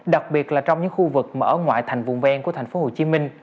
đặc biệt là trong những khu vực ở ngoại thành vùng ven của tp hcm